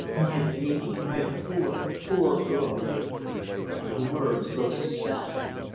"My baby, my poor, poor girl!" The words broke the spell.